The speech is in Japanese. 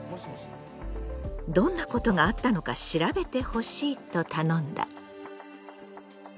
「どんなことがあったのか調べてほしい」と頼んだ。